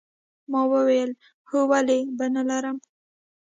ما وویل هو ولې به نه لرم